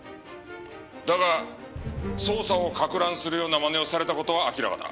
だが捜査をかく乱するようなまねをされた事は明らかだ。